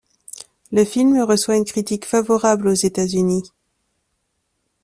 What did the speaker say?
Le film reçoit une critique favorable aux États-Unis.